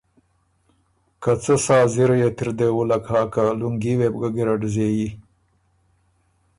که ”څۀ سا زِرئ ت اِر دې وُلّک هۀ که لُنګي وې بو ګه ګیرډ زېبی“